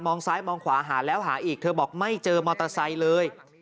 ซ้ายมองขวาหาแล้วหาอีกเธอบอกไม่เจอมอเตอร์ไซค์เลย